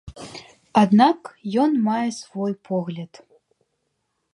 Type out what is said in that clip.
Аднак ён мае свой погляд.